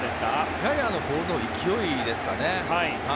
やはりボールの勢いですかね。